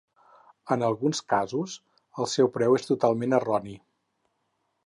En alguns casos, el seu preu és totalment erroni.